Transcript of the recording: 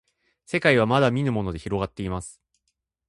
せかいはまだみぬものでひろがっています